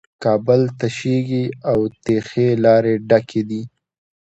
کابل تشېږي او د تېښې لارې ډکې دي.